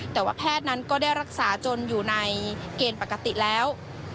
แต่ว่าแพทย์นั้นก็ได้รักษาจนอยู่ในเกณฑ์ปกติแล้ว